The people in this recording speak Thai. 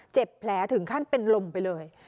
แผลถึงขั้นเป็นลมไปเลย